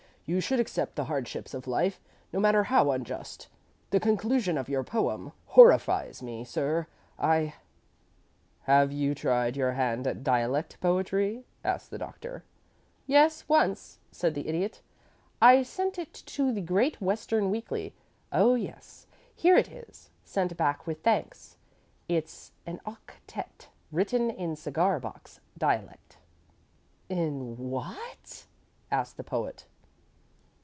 You should accept the hardships of life, no matter how unjust. The conclusion of your poem horrifies me, sir. I " [Illustration: CURING INSOMNIA] "Have you tried your hand at dialect poetry?" asked the Doctor. "Yes; once," said the Idiot. "I sent it to the Great Western Weekly. Oh yes. Here it is. Sent back with thanks. It's an octette written in cigar box dialect." "In wh a at?" asked the Poet.